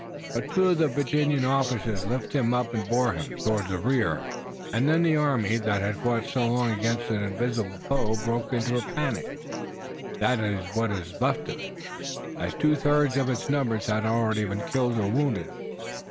But two of the Virginia officers lifted him up and bore him toward the rear. Then the army that had fought so long against an invisible foe broke into a panic, that is what was left of it, as two thirds of its numbers had already been killed or wounded.